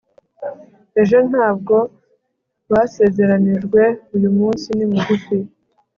ejo ntabwo basezeranijwe uyu munsi ni mugufi